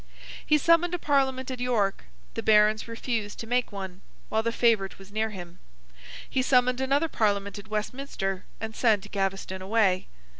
He summoned a Parliament at York; the Barons refused to make one, while the favourite was near him. He summoned another Parliament at Westminster, and sent Gaveston away.